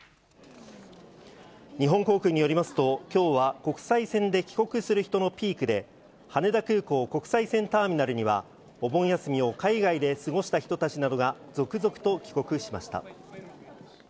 日本航空によりますと、きょうは国際線で帰国する人のピークで、羽田空港国際線ターミナルには、お盆休みを海外で過ごした人たちなどが続々と帰国しました。